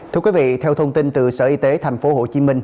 thưa quý vị theo thông tin từ sở y tế tp hcm